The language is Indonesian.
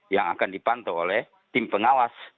yang akan dipantau oleh tim pengawas